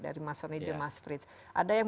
dari mas soni jemaas pritz ada yang